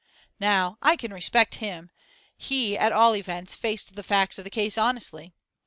Now I can respect him: he at all events faced the facts of the case honestly.